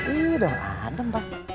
iya dong adem